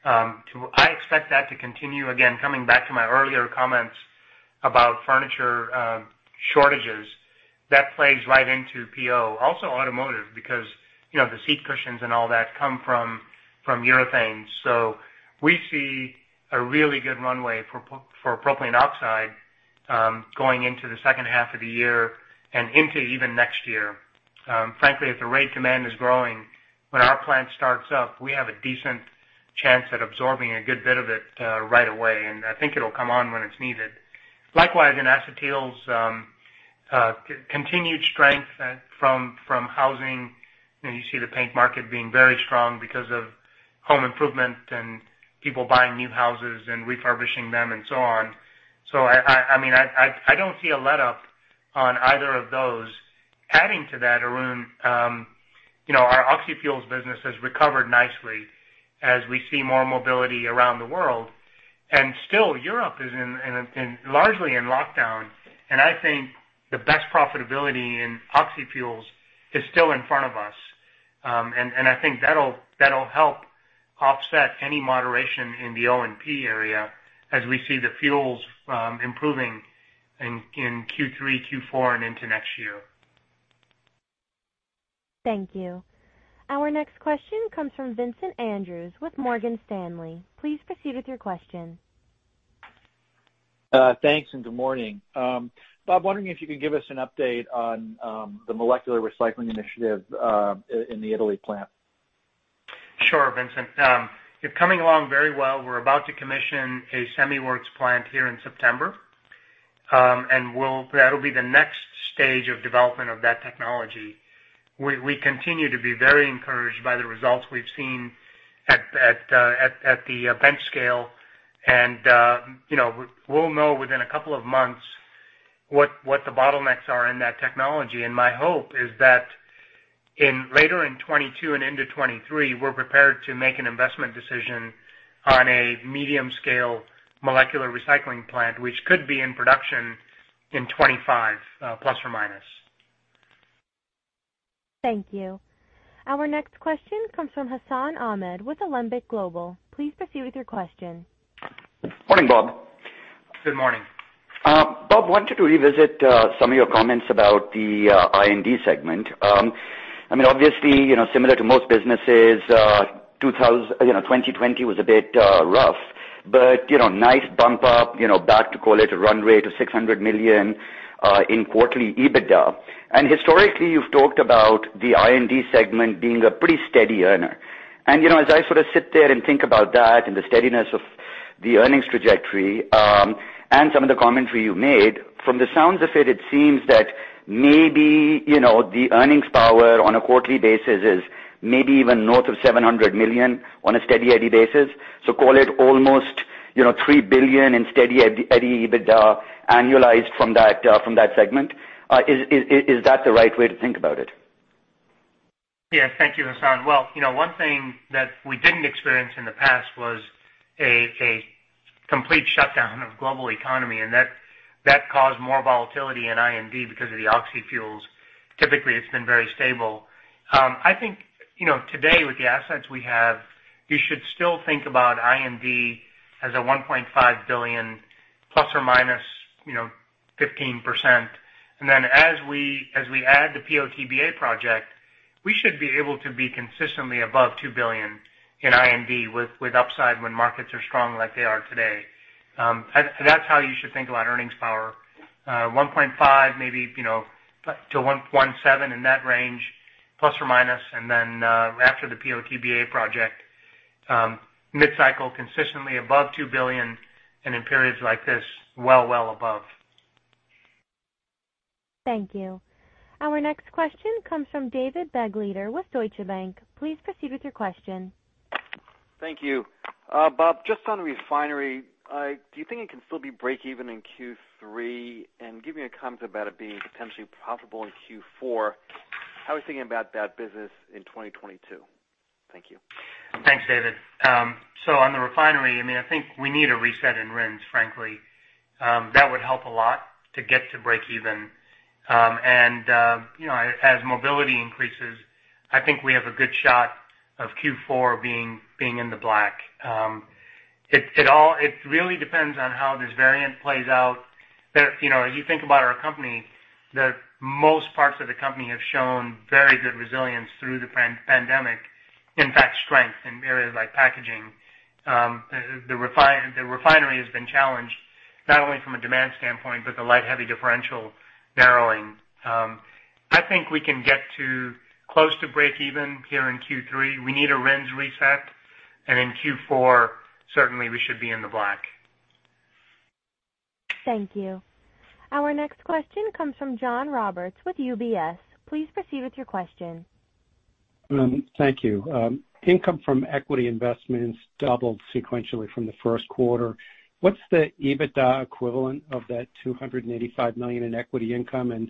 S3: I expect that to continue. Again, coming back to my earlier comments about furniture shortages, that plays right into PO. Also automotive, because the seat cushions and all that come from urethane. We see a really good runway for propylene oxide going into the second half of the year and into even next year. Frankly, at the rate demand is growing, when our plant starts up, we have a decent chance at absorbing a good bit of it right away, and I think it'll come on when it's needed. Likewise, in acetyls, continued strength from housing. You see the paint market being very strong because of home improvement and people buying new houses and refurbishing them and so on. I don't see a letup on either of those. Adding to that, Arun, our oxyfuels business has recovered nicely as we see more mobility around the world. Still, Europe is largely in lockdown, and I think the best profitability in oxyfuels is still in front of us. I think that'll help offset any moderation in the O&P area as we see the fuels improving in Q3, Q4, and into next year.
S1: Thank you. Our next question comes from Vincent Andrews with Morgan Stanley. Please proceed with your question.
S13: Thanks, good morning. Bob, wondering if you could give us an update on the molecular recycling initiative in the Italy plant.
S3: Sure, Vincent. It's coming along very well. We're about to commission a semi-works plant here in September, that'll be the next stage of development of that technology. We continue to be very encouraged by the results we've seen at the bench scale. We'll know within a couple of months what the bottlenecks are in that technology. My hope is that later in 2022 and into 2023, we're prepared to make an investment decision on a medium-scale molecular recycling plant, which could be in production in 2025, plus or minus.
S1: Thank you. Our next question comes from Hassan Ahmed with Alembic Global. Please proceed with your question.
S14: Morning, Bob.
S3: Good morning.
S14: Bob, I wanted to revisit some of your comments about the I&D segment. Obviously, similar to most businesses, 2020 was a bit rough. Nice bump up back to, call it, a runway to $600 million in quarterly EBITDA. Historically, you've talked about the I&D segment being a pretty steady earner. As I sort of sit there and think about that and the steadiness of the earnings trajectory, and some of the commentary you made, from the sounds of it seems that maybe the earnings power on a quarterly basis is maybe even north of $700 million on a steady-eddy basis. Call it almost $3 billion in steady-eddy EBITDA annualized from that segment. Is that the right way to think about it?
S3: Yeah. Thank you, Hassan. Well, one thing that we didn't experience in the past was a complete shutdown of global economy. That caused more volatility in I&D because of the oxyfuels. Typically, it's been very stable. I think today, with the assets we have, you should still think about I&D as a $1.5 billion ±15%. Then as we add the PO/TBA project, we should be able to be consistently above $2 billion in I&D with upside when markets are strong like they are today. That's how you should think about earnings power. $1.5 billion maybe to $1.7 billion in that range, plus or minus, then after the PO/TBA project, mid-cycle consistently above $2 billion and in periods like this, well above.
S1: Thank you. Our next question comes from David Begleiter with Deutsche Bank. Please proceed with your question.
S15: Thank you. Bob, just on refinery, do you think it can still be break even in Q3? Give me a comment about it being potentially profitable in Q4. How are you thinking about that business in 2022? Thank you.
S3: Thanks, David. On the refinery, I think we need a reset in RINs, frankly. That would help a lot to get to break even. As mobility increases, I think we have a good shot of Q4 being in the black. It really depends on how this variant plays out. As you think about our company, that most parts of the company have shown very good resilience through the pandemic. In fact, strength in areas like packaging. The refinery has been challenged not only from a demand standpoint, but the light/heavy differential narrowing. I think we can get to close to break even here in Q3. We need a RINs reset, and in Q4, certainly we should be in the black.
S1: Thank you. Our next question comes from John Roberts with UBS. Please proceed with your question.
S16: Thank you. Income from equity investments doubled sequentially from the first quarter. What's the EBITDA equivalent of that $285 million in equity income?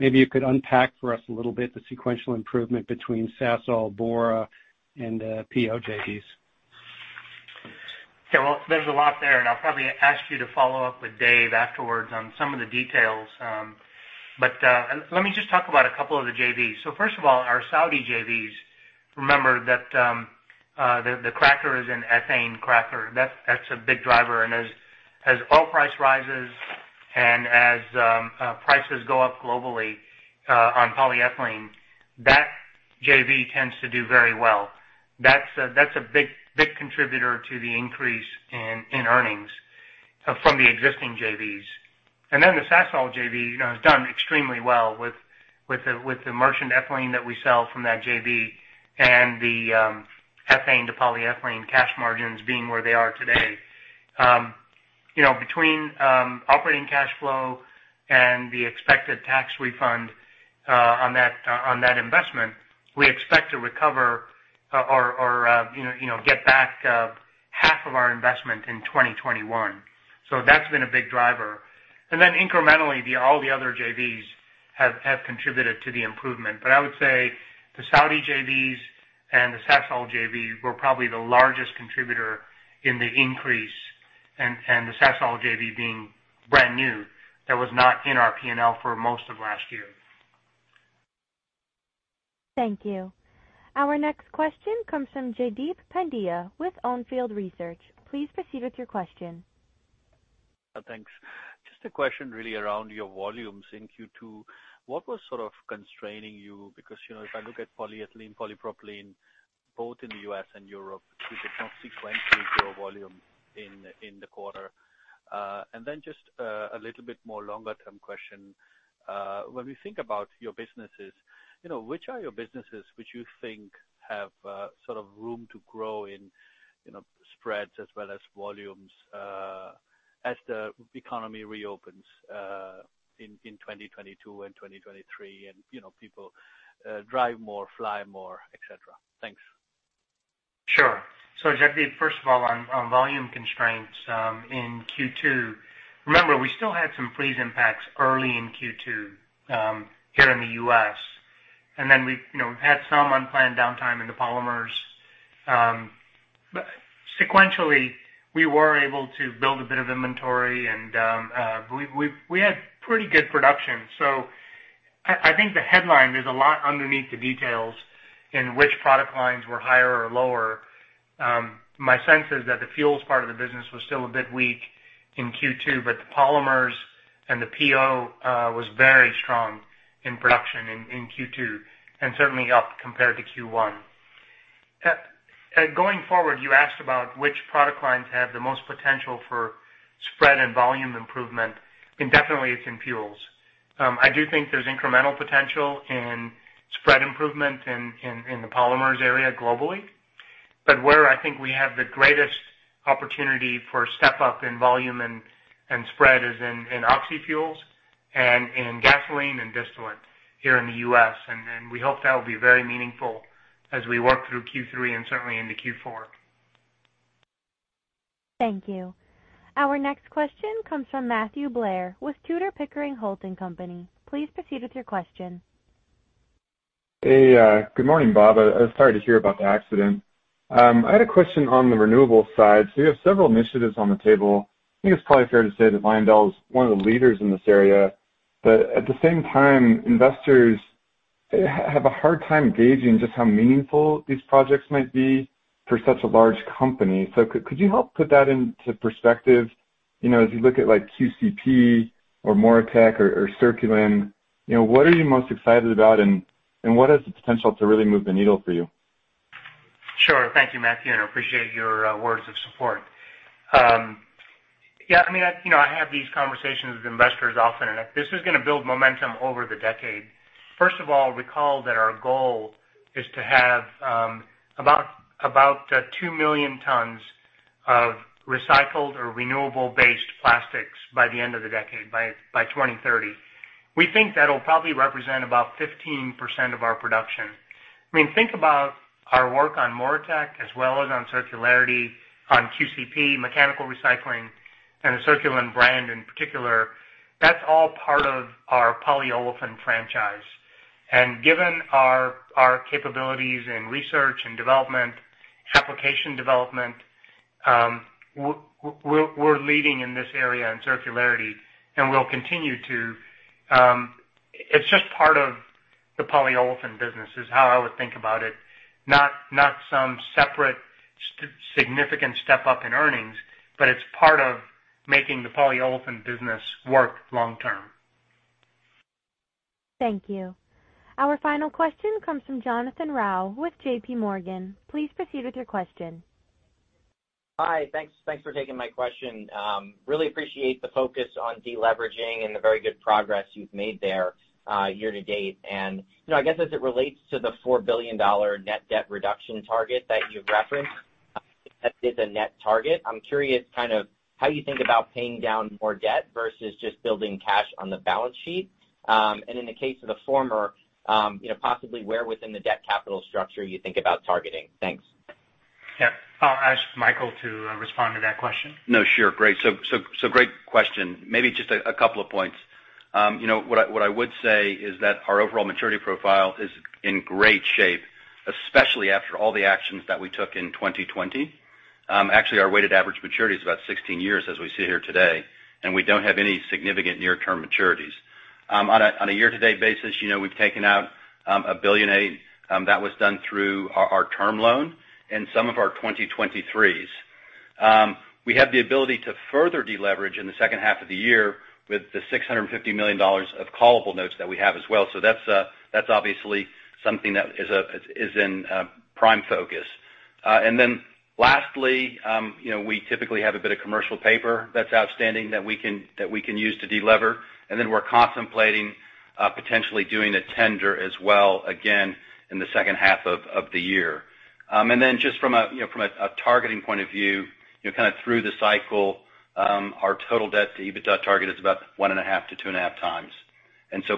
S16: Maybe you could unpack for us a little bit the sequential improvement between Sasol, Bora and PO JVs.
S3: Okay. Well, there's a lot there, and I'll probably ask you to follow up with Dave afterwards on some of the details. Let me just talk about a couple of the JVs. First of all, our Saudi JVs, remember that the cracker is an ethane cracker. That's a big driver. As oil price rises and as prices go up globally on polyethylene, that JV tends to do very well. That's a big contributor to the increase in earnings from the existing JVs. The Sasol JV has done extremely well with the merchant ethylene that we sell from that JV and the ethane to polyethylene cash margins being where they are today. Between operating cash flow and the expected tax refund on that investment, we expect to recover or get back half of our investment in 2021. That's been a big driver. Incrementally, all the other JVs have contributed to the improvement. I would say the Saudi JVs and the Sasol JV were probably the largest contributor in the increase. The Sasol JV being brand new, that was not in our P&L for most of last year.
S1: Thank you. Our next question comes from Jaideep Pandya with On Field Research. Please proceed with your question.
S17: Thanks. Just a question really around your volumes in Q2. What was sort of constraining you? Because if I look at polyethylene, polypropylene, both in the U.S. and Europe, you did not sequentially grow volume in the quarter. Just a little more longer term question. When we think about your businesses, which are your businesses which you think have sort of room to grow in spreads as well as volumes as the economy reopens in 2022 and 2023, and people drive more, fly more, et cetera? Thanks.
S3: Sure. Jaideep, first of all, on volume constraints in Q2. Remember, we still had some freeze impacts early in Q2 here in the U.S., and then we had some unplanned downtime in the polymers. Sequentially, we were able to build a bit of inventory, and we had pretty good production. I think the headline, there's a lot underneath the details in which product lines were higher or lower. My sense is that the fuels part of the business was still a bit weak in Q2, but the polymers and the PO was very strong in production in Q2, and certainly up compared to Q1. Going forward, you asked about which product lines have the most potential for spread and volume improvement, and definitely it's in fuels. I do think there's incremental potential in spread improvement in the polymers area globally. Where I think we have the greatest opportunity for step up in volume and spread is in oxyfuels and in gasoline and distillate here in the U.S. We hope that will be very meaningful as we work through Q3 and certainly into Q4.
S1: Thank you. Our next question comes from Matthew Blair with Tudor, Pickering, Holt & Company. Please proceed with your question.
S18: Hey, good morning, Bob. I was sorry to hear about the accident. I had a question on the renewable side. You have several initiatives on the table. I think it's probably fair to say that Lyondell's one of the leaders in this area. At the same time, investors have a hard time gauging just how meaningful these projects might be for such a large company. Could you help put that into perspective? As you look at QCP or MoReTec or Circulen, what are you most excited about and what is the potential to really move the needle for you?
S3: Sure. Thank you, Matthew, I appreciate your words of support. Yeah, I have these conversations with investors often, and this is going to build momentum over the decade. First of all, recall that our goal is to have about 2 million tons of recycled or renewable-based plastics by the end of the decade, by 2030. We think that'll probably represent about 15% of our production. Think about our work on MoReTec as well as on circularity on QCP, mechanical recycling, and the Circulen brand in particular. That's all part of our polyolefin franchise. Given our capabilities in research and development, application development, we're leading in this area in circularity, and we'll continue to. It's just part of the polyolefin business is how I would think about it, not some separate significant step up in earnings, but it's part of making the polyolefin business work long term.
S1: Thank you. Our final question comes from Jonathan Rau with JPMorgan. Please proceed with your question.
S19: Hi. Thanks for taking my question. Really appreciate the focus on de-leveraging and the very good progress you've made there year-to-date. I guess as it relates to the $4 billion net debt reduction target that you've referenced, that is a net target. I'm curious kind of how you think about paying down more debt versus just building cash on the balance sheet. In the case of the former, possibly where within the debt capital structure you think about targeting? Thanks.
S3: I'll ask Michael to respond to that question.
S4: No, sure. Great. Great question. Maybe just a couple of points. What I would say is that our overall maturity profile is in great shape, especially after all the actions that we took in 2020. Actually, our weighted average maturity is about 16 years as we sit here today, and we don't have any significant near-term maturities. On a year-to-date basis, we've taken out $1.8 billion. That was done through our term loan and some of our 2023s. We have the ability to further de-leverage in the second half of the year with the $650 million of callable notes that we have as well. That's obviously something that is in prime focus. Lastly, we typically have a bit of commercial paper that's outstanding that we can use to de-lever. We're contemplating potentially doing a tender as well, again, in the second half of the year. Just from a targeting point of view, kind of through the cycle, our total debt to EBITDA target is about one and a half to two and a half times.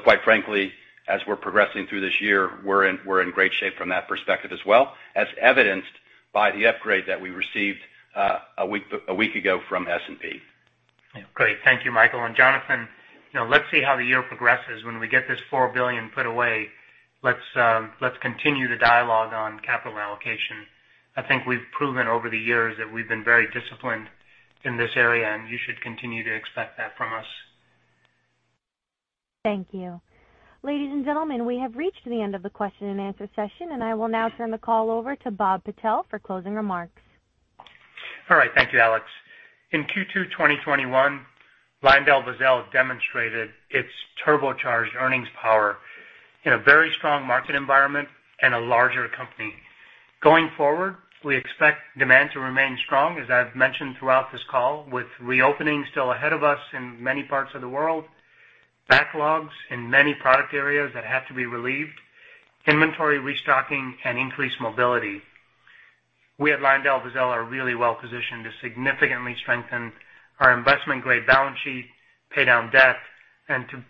S4: Quite frankly, as we're progressing through this year, we're in great shape from that perspective as well, as evidenced by the upgrade that we received a week ago from S&P.
S3: Yeah. Great. Thank you, Michael. Jonathan, let's see how the year progresses. When we get this $4 billion put away, let's continue the dialogue on capital allocation. I think we've proven over the years that we've been very disciplined in this area, and you should continue to expect that from us.
S1: Thank you. Ladies and gentlemen, we have reached the end of the question-and-answer session, and I will now turn the call over to Bob Patel for closing remarks.
S3: All right. Thank you, Alex. In Q2 2021, LyondellBasell demonstrated its turbocharged earnings power in a very strong market environment and a larger company. Going forward, we expect demand to remain strong, as I've mentioned throughout this call, with reopening still ahead of us in many parts of the world, backlogs in many product areas that have to be relieved, inventory restocking, and increased mobility. We at LyondellBasell are really well positioned to significantly strengthen our investment-grade balance sheet, pay down debt, and to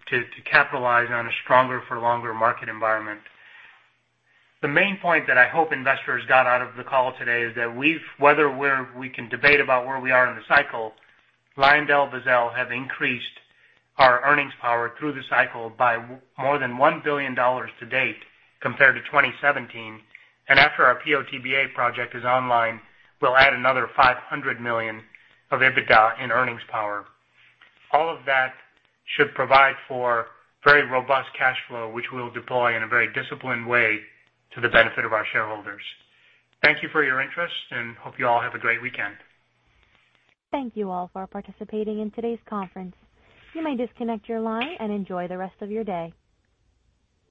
S3: capitalize on a stronger for longer market environment. The main point that I hope investors got out of the call today is that whether we can debate about where we are in the cycle, LyondellBasell have increased our earnings power through the cycle by more than $1 billion to date compared to 2017. After our PO/TBA project is online, we'll add another $500 million of EBITDA in earnings power. All of that should provide for very robust cash flow, which we'll deploy in a very disciplined way to the benefit of our shareholders. Thank you for your interest, and hope you all have a great weekend.
S1: Thank you all for participating in today's conference. You may disconnect your line and enjoy the rest of your day.